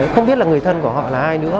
không biết là người thân của họ là ai nữa